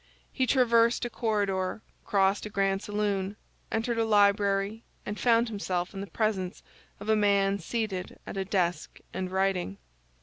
He traversed a corridor, crossed a grand saloon, entered a library, and found himself in the presence of a man seated at a desk and writing.